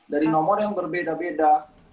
dari nomor yang berbeda beda